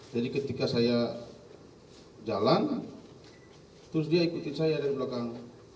jadi ketika saya jalan terus dia ikutin saya dari belakang